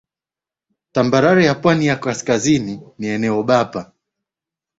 Tambarare ya pwani ya kaskazini ni eneo bapa